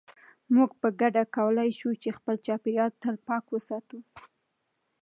موږ په ګډه کولای شو چې خپل چاپیریال تل پاک وساتو.